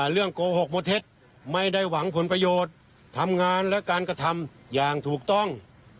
โกหกหมดเท็จไม่ได้หวังผลประโยชน์ทำงานและการกระทำอย่างถูกต้อง